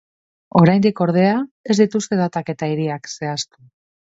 Oraindik, ordea, ez dituzte datak eta hiriak zehaztu.